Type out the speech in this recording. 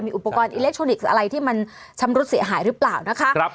อุปกรณ์อิเล็กทรอนิกส์อะไรที่มันชำรุดเสียหายหรือเปล่านะคะ